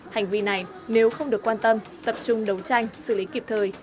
hành vi này nếu không được quan tâm tập trung đấu tranh xử lý kịp thời